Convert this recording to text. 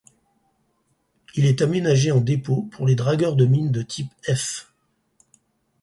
Il est aménagé en dépôt pour les dragueurs de mines de type-F.